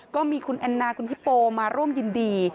ก็มีคุณแอนนาคุณฮิปโปมาร่วมยินดี